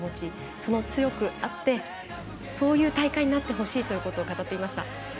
それが強くあってそういう大会になってほしいということを語っていました。